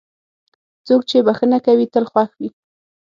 څوک چې بښنه کوي، تل خوښ وي.